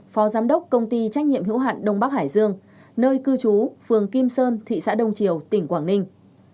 phó giám đốc công ty trách nhiệm hữu hạn đông bắc hải dương nơi cư trú phường kim sơn thị xã đông triều tỉnh quảng ninh